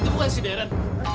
itu bukan si darren